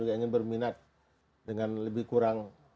yang ingin berminat dengan lebih kurang